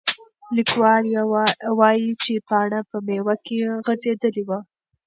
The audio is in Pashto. لیکوال وایي چې پاڼه په میوه کې غځېدلې ده.